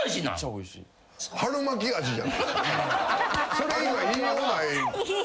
それ以外言いようない。